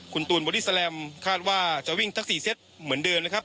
คุณตูนบอดี้แลมคาดว่าจะวิ่งทั้ง๔เซตเหมือนเดิมนะครับ